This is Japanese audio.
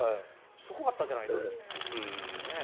すごかったじゃないドイツって。